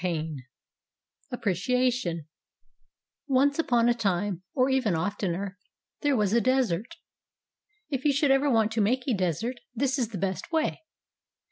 MORAL STORIES I APPRECIATION ONCE upon a time or even oftener there was a Desert. If you should ever want to make a desert, this is the best way.